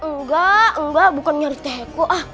enggak enggak bukan nyari teko